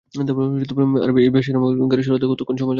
আর এই বেসামরিক গাড়ি সরাতে কতক্ষণ সময় লাগবে?